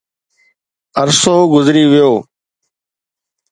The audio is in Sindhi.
عرصو گذري ويو